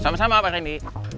sama sama pak reni